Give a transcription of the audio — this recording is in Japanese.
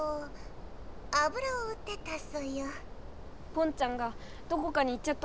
ポンちゃんがどこかに行っちゃったの。